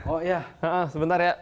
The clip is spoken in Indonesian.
oh iya sebentar ya